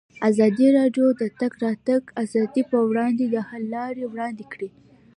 ازادي راډیو د د تګ راتګ ازادي پر وړاندې د حل لارې وړاندې کړي.